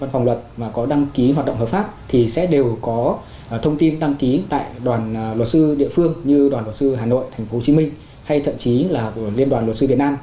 phòng luật mà có đăng ký hoạt động hợp pháp thì sẽ đều có thông tin đăng ký tại đoàn luật sư địa phương như đoàn luật sư hà nội tp hcm hay thậm chí là liên đoàn luật sư việt nam